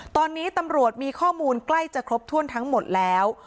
ตอนนี้ตำรวจมีข้อมูลใกล้จะครบถ้วนทั้งหมดแล้ว